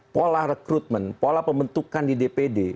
pola rekrutmen pola pembentukan di dpd